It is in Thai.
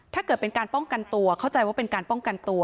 ถ้าเกิดเป็นการป้องกันตัวเข้าใจว่าเป็นการป้องกันตัว